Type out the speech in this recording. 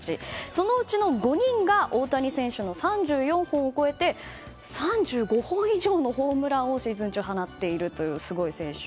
そのうちの５人が大谷選手の３４本を超えて３５本以上のホームランをシーズン中、放っているというすごい選手。